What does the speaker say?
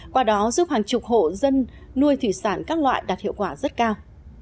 qua đó giúp hàng chục hộ dân nuôi thủy sản các loại đạt hiệu quả rất cao